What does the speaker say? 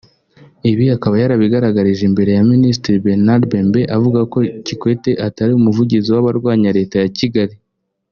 ibi akaba yarabigaragarije imbere ya Minisitiri Bernard Membe akavuga ko Kikwete atari umuvugizi w’ abarwanya leta ya Kigali